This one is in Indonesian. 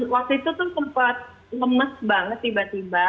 waktu itu tuh sempat lemes banget tiba tiba